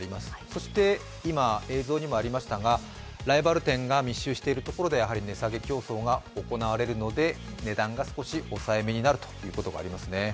そして、ライバル店が密集しているところではやはり値下げ競争が行われるので、値段が少し抑えめになるということがありますね。